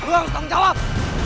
lu harus tanggung jawab